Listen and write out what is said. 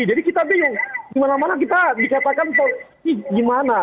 jadi kita gimana mana kita dikatakan polisi gimana